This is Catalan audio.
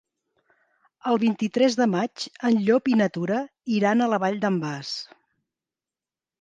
El vint-i-tres de maig en Llop i na Tura iran a la Vall d'en Bas.